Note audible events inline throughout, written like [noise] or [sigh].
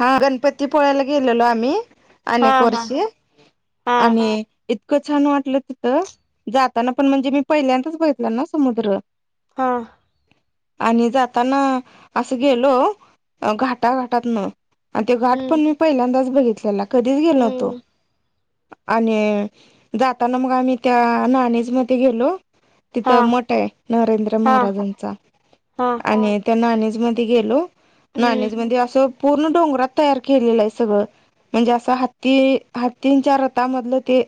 हा गणपती पोळ्याला गेलेलो आम्ही हा अनेक हा वर्षी हा आणि इ छान वाटलं तिथं जाताना पण म्हणजे मी पहिल्यांदच बघितला ना समुद्र. हां. आणि जाताना असं गेलो घाटाघाटात न. आणि तो घाट पण हम्म मी पहिल्यांदाच बघितलेला कधीच गेलो होतो. हम्म आणि जाताना मग आम्ही त्या नाणीज मध्ये गेलो. हा तिथं मठ आहे नरेंद्र हा महाराजांचा हा आणि त्या नाणीज मध्ये गेलो. हम्म नाणीज म्हणजे असं. पूर्ण डोंगरात तयार केलेलं आहे सगळं म्हणजे असं हत्ती तीन चार रथांमधलं ते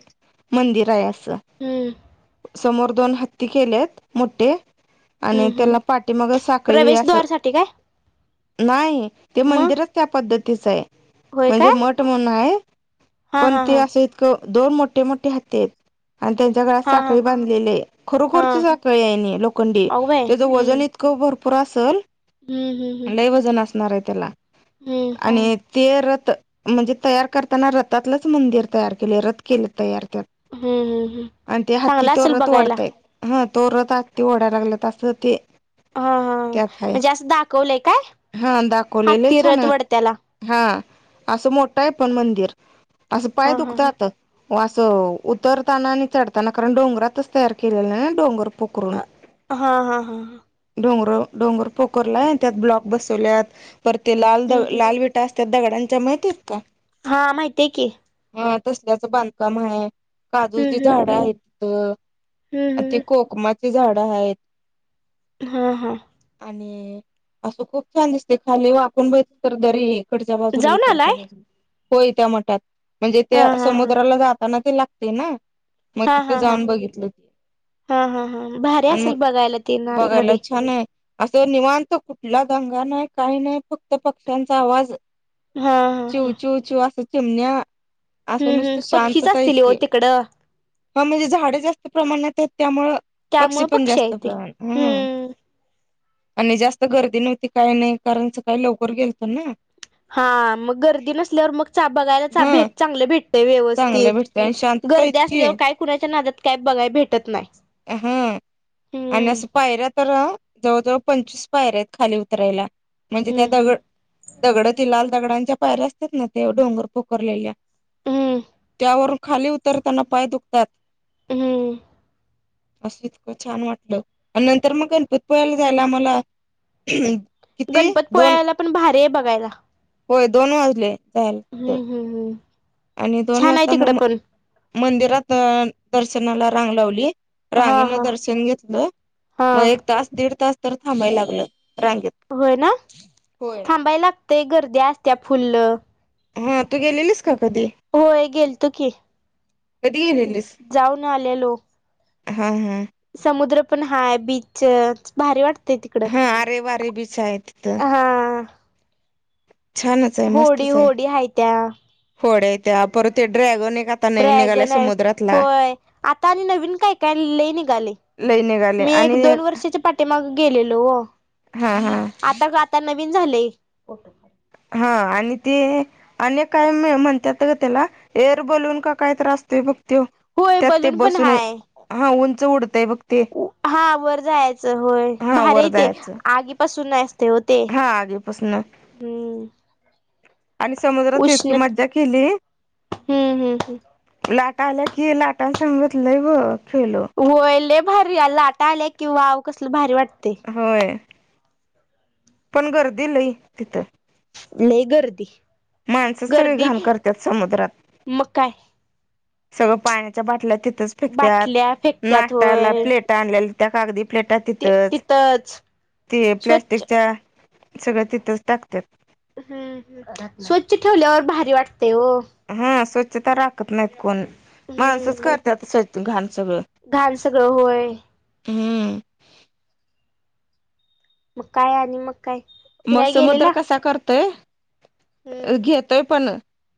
मंदिर आहे असं. हम्म. समोर दोन हत्ती केल्यात मोठे. आणि हम्म हम्म त्याला पाठी मग साखळी असं प्रवेशद्वार साठी काय नाही ते मग मंदिरच त्या पद्धतीचं आहे होय म्हणजे काय मठ म्हणून आहे. हा पण हा ते हा असं इतकं दोन मोठे मोठे हत्ती आहेत. आणि त्यांच्या गळ्यात हा हा साखळी बांधलेली आहे हा खरोखरची साखळी आहे लोखंडी अगो बाई त्याचं हम्म वजन इत भरपूर असल. हम्म हम् हम्. वजण असणार आहे त्याला हम्म. आणि ते रथ म्हणजे तयार करताना रत रतातलंच मंदिर तयार केले रद केले तयार त्या हम्म हम्म हम्म आणि ते हत्ती चांगला तो असेल रत बघायला ओढतायत. हा तोरत आ ते ओढाला लागलं तसं ते हा हा त्यातय म्हणजे असं दाखवलंय काय हा दाखवलेले हत्ती छान. रथ वडत्याला हा असं मोठं आहे पण मंदिर असं पाय हा हा दुखतं आता व असं उतरताना आणि चढताना कारण डोंगरातच तयार केलेला नाही ना डोंगर पोखरून हा हा हा हा हम्म डोंगर डोंगर पोखरला त्यात ब्लॉक बसवल्यात पर ते लाल हम्म लाल वि असतात दगडांच्या माहतीत का? हा माहितीय की ह तसल्याच बांधकाम आहे हम्म काजूची हम्म झाड आहेत तिथं ते हम्म कोकमाचे झाड आहेत. हा हा. आणि असं खूप छान दिसते खाली वापून बघीतल तर दरी. इकडच्या बाजूला जाऊन इकडच्या आलाय बाजूला होय त्या मठात म्हणजे हा त्या हा हा समुद्राला जाताना ते लाग ते ना मग हा तिथं हा हा जाऊन बघितलं ते. हा हा हा भारी आणि मग असेल बघायला तेन बघायला आतमध्ये छान आहे. असं निवांतो कुठला दंगा नाही काही नाही फक्त पक्ष्यांचा आवाज हा हा हा. अस चिमण्या असं हम्म नुसत हम्म पक्षीच शांतता असतील हो इतके तिकडं ह म्हणजे झाडे जास्त प्रमाणात आहेत त्यामु पक्षी त्यामुळं पण आहे जास्त ते प्रमाण ह. हम्म आणि जास्त गर्दी नव्हती काही नाही कारणच काही लवकर गेल तर ना. हा मग गर्दी नसल्यावर मग हा बघायला हा भेट चांगले भेट चांगलं व्यवस्थित भेटत आणि शांतता गर्दी इतकी असल्यावर काय कुणाच्या नादात काय बघाय भेटत नाही. हा हम्म आणिस पायऱ्या तर जवळजवळ पंचवीस पायऱ्या आहेत खाली उतरायला म्हणजे त्या हम्म हम्म दगड दगड त लाल दगडांच्या पायर असतात ना ते डोंगर पोखरलेल्या हम्म त्यावरून खाली उतरताना पाय दुखतात. हम्म. असं इतकं छान वाटलं आणि नंतर मग गणपतपुया्याला जायला मला गणपत पोळला पण भारी आहे बघायला. होय दोन वाजले जाल हम्म तर हम्म हम्म आणि दोन छान आहे वाजता तिकडं मग म पण मंदिरात दर्शनाला रांग लावली. हा रांगेन हा दर्शन घेतलं हा मग एक तास दीड तास तर थांबायला लागलं रांगेत होय ना होय. थांबायला लागतंय गर्दी असत्या फुल हा तू गेलेलीस का कधी होय गेल तु की कधी गेलेलीस? जाऊन आलेलो. हा हा. समुद्र पण हाय बीच भारी वाटते तिकड हा आरे वारे भीच आहे तथ. हा छानच आहे होडी मस्तच आहे होडी हाय त्या होोड्या त्या परत ड्रॅगन आहे का? ड्रॅगन आहे होय आता आणि नवीन काय काय लले निघाले. लईने ग. मी एक दोन वर्षाच्या पाठीमाग गेलेलो हो. हा हा. आता नवीन झालंय हा आणि ते अ काय म्हणतात त्याला एअर बलून का काय आसतोय बघ त्य होय त्यात ते बलून पण बसून हाय. हा उंच उडतंय बघ ते हा वर जायचं होय हा वर भारी ते जायचं आगीपासून न असते हो ते पसन हो आणि समुद्रात इतकी मज्जा केली. हम्म हम्म हम्म. लाट आल्या कि लाटां सांगितलंय ब खेळलो. होयले भारी लाटा आल्या किं वाव कसल भारी वाट. ते होय पण गर्दी लई तिथं लय गर्दी माणसं सगळे गर्दी घाण करतात समुद्रात मग काय सगळं पाण्याच्या बाटल्या तिथंच फेकत्याात बाटल्या फेकत्यात नाश्त्याला होय प्लेट आणलेल्या त्या कागदी प्लेटा तिथंच ते स्वच्छ प्लॅस्टिकच्या सगळ्या तिथंच टाकतात. हम् स्वच्छ ठेवल्यावर भारी वाटते हो. हा स्वच्छता राखत नाहीत कोण माणसच हम्म करत स्वच्छ घाण सगळं. घाण सगळं होय. हम्म. मग काय आणि मग काय मग फिराय समुद्र गेलेला कसा करतोय हम्म घेतोय पण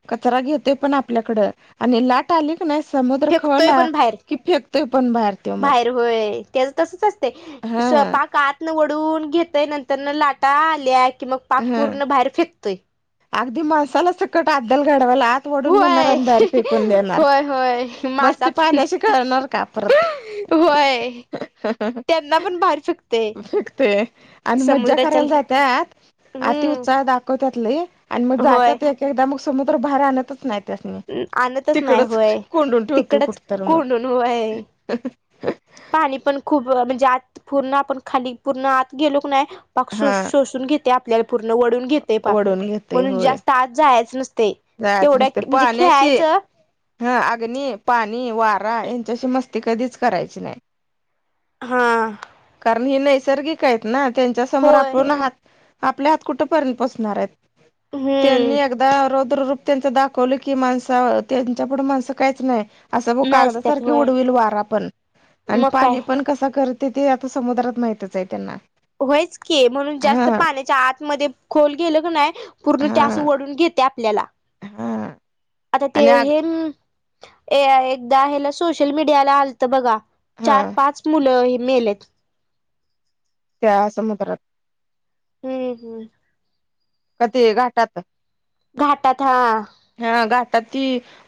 कचरा घेतोय पण आपल्याकड आणि लाट आली नाही समुद्र फेकतोय खवला पण बाहेर की फेकतोय पण बाहेर त मग हा स्वयंपाकात न वडून घेतय नंतर न लाटा आल्या कि मग पाक हा पूर्ण बाहेर फेकतोय. अगदी मसाला चकट आाद्यल घडवल आत ओढून नेणार होय आणि बाहेर फिकून देणार होय होय मस्ती मासा पण पाण्याशी करणार का परत होय त्यांना पण बाहेर फेकतोय फेकते. आणि मज्जा समुद्राच्या करायला जातत हम्म अतिउत्साह दाखवत्यात लई आणि मग होय जातात एकेकदा मग समुद्र बाहेर आणतच नाहीत. त्यास्नी आणतच नाही तिकडच होय कोंडून ठेवतय तिकडच कुठतर कोंडून होय मग पाणी पण खूप म्हणजे आत पूर्ण आपण खाली पूर्ण आत गेलो क नायं हा शोषून घेतय आपल्याला पूर्ण वडून घेते पाक ओढून घेतोय म्हणून होय जास्त आत जायच नसते. जायचं तेवढ्या नसते म्हणजे पाण्याशी खेळायचं हा अग्नी, पाणी, वारा यांच्याशी मस्ती कधीच करायची नाही. हम्म कारण हे नैसर्गिक आहेत ना त्यांच्या समोर होय आपण हात आपले हात कुठेपर्यंत पोचणार आहेत. तेनी हम्म एकदा रोद्र रूप त्यांच दाखवलं की माणसा त्यांच्या पुुढं माणसं काहीच नाही. असं नाचत्यात कागदासारखे होय उडवेल वारा पण आणि मग काय पाणी पण कसा करत ते आता समुद्रात माहितच आहे त्यांना होयच की म्हणून जास्त हा पाण्याच्या आतमध्ये खोल गेलं क नाय पूर्ण हा त्या अस ओढून घेते आपल्याला हा आता ते आणि आग हे एकदा हेला सोशल मीडियाला आलत बघा हा चार पाच मुलं ह मेलेत त्या समुद्रात हम्म हम्म का ते घाटात. घाटत हा हा घाटात ती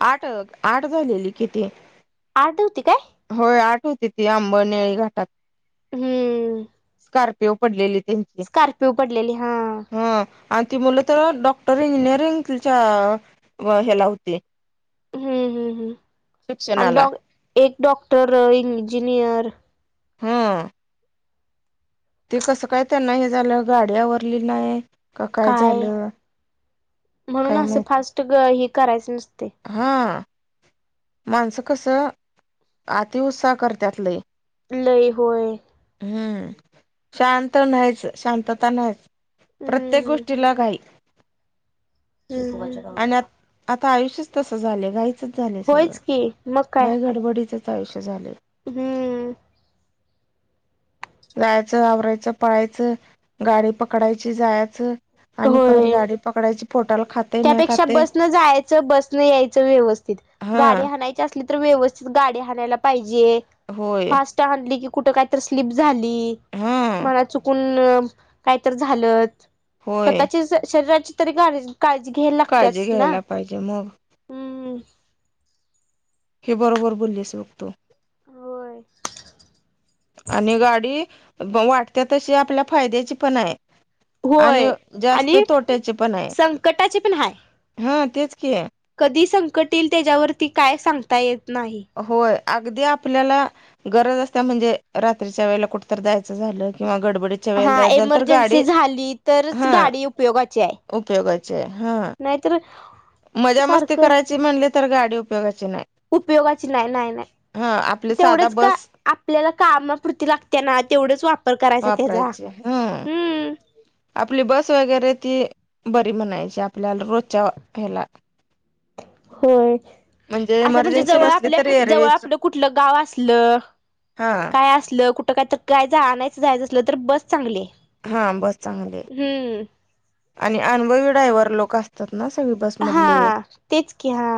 आठ आठ झालेली कि ती? आठ होती काय? होय आठ होती ती आंब नळी घाटात. हम्म. स्कारपिओ पडलेली त्यांची स्कॉर्पिओ पडलेली हा हा. आणि ती मुलं तर डॉक्टर इंजिनिअरिंगच्या ह्याला होती. हम्म हम्म हम्म आणि शिक्षणाला डॉ एक डॉक्टर इंजिनियर हा. ते कसं काय त्यांना हे झालं गाडी आवरली नाही. का काय झालं काय माहिती ह करायच नसतय हा माणसं कस अतिउत्साह करत्यात लय. लई होय. हम्म शांत नाहीच शांतता नाहीच. प्रत्येक हम्म गोष्टीला घाई हम्म आणि आ आता आयुष्यच तस झालंय काय झाले होयच की मग सगळं काय घाई गडबडीचच आयुष्य झाले. हम्म. जायचं आवरायचं पळायचं गाडी पकडायची जायचं. आणि परत होय गाडी पकडायची पोटाल खात. त्यापेक्षा बसन जायचं बस न यायचं व्यवस्थित हा गाडी हानायची असली तर व्यवस्थित गाडी हाणायला पाहिजे. होय. आणली की कुठ कायत स्लीप झाली हा मला चुकून काहीत झालं होय स्वतःची शरीराची तरी गा. घ्या काळजी लागतच ना घ्यायला पाहिजे मग हम्. हे बरोबर बोललेच बघतो. होय. आणि गाडी वाटते तशी आपल्या फायद्याची पण आहे. आणि होय जास्त आणि तोट्याचे पण आहे संकटाचे पण हाय हा तेच कि आहे. कधी संकट येईल त्याच्यावरती काय सांगता येत नाही. होय अगदी आपल्याला गरज असत म्हणजे रात्रीच्या वेला कुठ द्यायचं झालं किंवा गडबडी हा एमर्जन्सी झाली तरच गाडी उपयोगाची आहे. उपयोगाचे हा. नाहीतर मजा मस्ती सारखं करायची म्हणली तर गाडी उपयोगाची नाही. उपयोगाची नाही नाही नाही. हा आपली साधा तेवढच का बस आपल्याला कामापूर्ती लागते ना तेवढाच वापर करायचा त्याचा हम. हम्म आपली बस वगैरे ती बरी म्हणायची आपल्याला रोजच्या ह्याला होय असं म्हणजे एमर्जन्सी जवळ नसली आपल्या तर जवळ एरवेची आपलं कुठलं गाव असलं. हा काय असलं कुठं काय तर काय जायचं जायचं असल तर बस चांगली हा बस चांगली. हम्. आणि अनुभवी ड्रायव्हर लोक असतात ना सगळी बसमधले हा तेच क हा.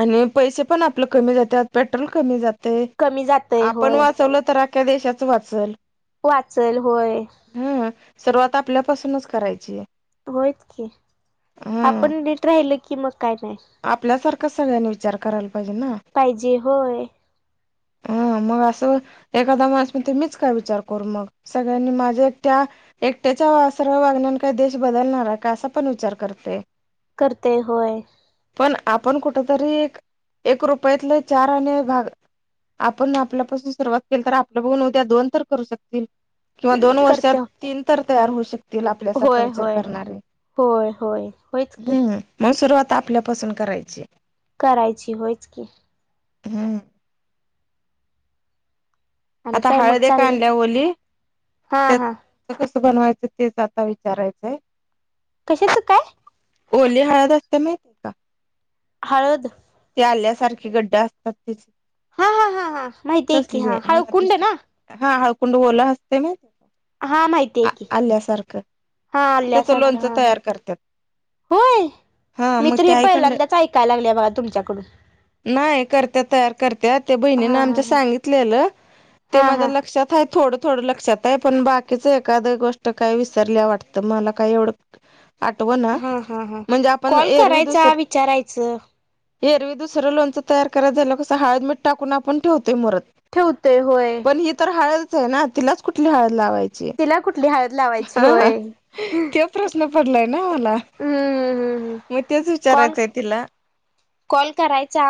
आणि पैसे पण आपले कमी जाते पेट्रोल कमी जाते कमी जातय आपण होय वाचवल तर. काय देशाचं वाचल. वाचेल होय हा सर्वात आपल्यापासूनच करायची आहे होयच की आपण नट राहिल की मग काय नाही आपल्यासारख सगळ्यांनी विचार करायला पाहिजे ना पाहिजे होय [inaudible] हा मग असं एखादा म म ते मीच काय विचार करू मग सगळ्यांनी माझ्या त्या एकट्याच्या सर वागण्या काही देश बदलणार आहे का असा पण विचार करते करते होय पण आपण कुठतरी एक रुपयातले चार आणि भाग आपण आपल्यापासून सुरुवात केली तर आपल्या बघून उद्या दोन तर करू शकतील किंवा दोन वर्षात करते तीन तर तयार होऊ शकत तिला आपल्यासारखा होय विचार होय करणारे होय होय होयच की हम्म मग सुरुवात आपल्यापासून करायची करायची होयच की हा. आणि आता काय मग हळद्या का चाललंय आणल्या ओली हा त्या हा कसं बनवायचं तेच आता विचारायचंय कशाचं काय ओली हळद असता माळतय का हळद ते आल्यासारखे गड्ड असतात त्याचे हा हा हा हां माहिती आहे की हा हळू कुंड ना हा हळकुंड ओला असते ना. हा माहितीय आ की आल्यासारखं हा त्याच आल्यासारखं लोणच हा हा तयार करतात. होय हा मी मग तर ते हे आईकंड पहिल्यांदाच ऐकायला लागले बघा तुमच्याकडून. नाही करत्या तयार करत्या त्या बहिणीन हा हा आमच्या हा सांगितलेलं. ते हा माझ्या हा लक्षात आहे थोडं. थोडं लक्षात आहे पण बाकीच एखाद गोष्ट काय विसरल्या वाटतं मला काय एवढं. आठव ना हा हा हा म्हणजे आपण कॉल एरवी दुसर. करायचा विचारायचं एरवी दुसरं लोणचं तयार कराय झाला कसं हळदमीट टाकून आपण ठेवतोय मुरत. ठेवतेय होय. पण ही तर हळदच आहे ना तिलाच कुठली हळद लावायची. तिला कुठली हळद लावायची ह होय ते. प्रश्न पडलाय ना मला हम्म हम्म हम्म मग तेच कॉल विचारायचंय तिला. कॉल करायचा.